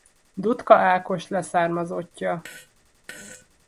Dutka Ákos leszármazottja.